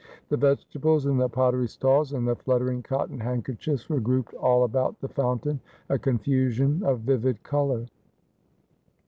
The vegetables and the pottery stalls, and the fluttering cotton handkerchiefs were grouped all about the fountain, a confusion of vivid colour.